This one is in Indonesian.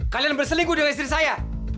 kalian berselingkuh dengan istri saya